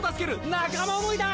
仲間想いだ！